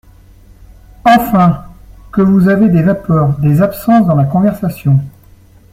Enfin, que vous avez des vapeurs, des absences dans la conversation…